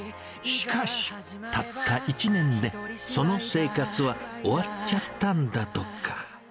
しかし、たった１年で、その生活は終わっちゃったんだとか。